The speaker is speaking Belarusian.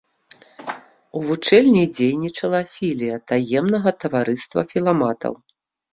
У вучэльні дзейнічала філія таемнага таварыства філаматаў.